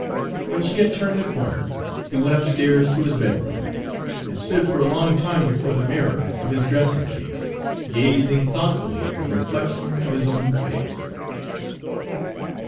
When she had turned the corner, he went upstairs to his bedroom, and stood for a long time before the mirror of his dressing case, gazing thoughtfully at the reflection of his own face.